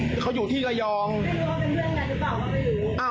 ถูกมาตอบแก่งไบ